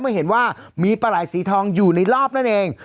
ให้เห็นว่ามีปลาไหล่สีทองอยู่ในรอบนั่นเอง